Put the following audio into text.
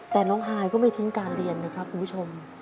แต่น้องฮายก็ไม่ทิ้งการเรียนนะครับคุณผู้ชม